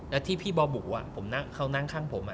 แล้วที่พี่บ่าบุว่ะผมนั่งเขานั่งข้างผมอ่ะ